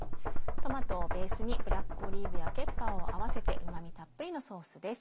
トマトをベースにブラックオリーブやケッパーを合わせてうま味たっぷりのソースです。